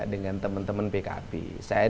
dengan teman teman pkb saya